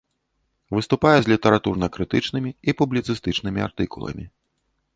Выступае з літаратурна-крытычнымі і публіцыстычнымі артыкуламі.